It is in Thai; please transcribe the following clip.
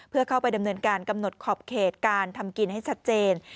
เพื่อเข้าไปดำเนินการกำหนดขอบเขตการทำกินให้ชัดเจน